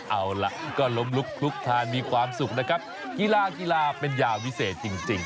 เอาล่ะก็ล้มลุกคลุกทานมีความสุขนะครับกีฬากีฬาเป็นยาวิเศษจริง